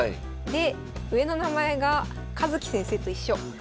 で上の名前が一基先生と一緒。